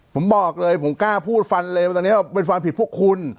ผมบอกเลยผมกล้าพูดฟันเลยว่าตอนนี้เป็นความผิดพวกคุณ